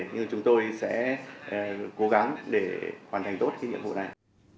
nhưng chúng tôi sẽ cố gắng để hoàn thành tốt cái nhiệm vụ này